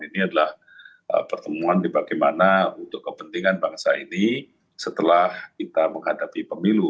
ini adalah pertemuan di bagaimana untuk kepentingan bangsa ini setelah kita menghadapi pemilu